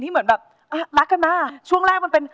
ผมถึงรักพ่อมาอย่างไรที่เป็น